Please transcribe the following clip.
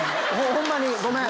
ホンマにごめん！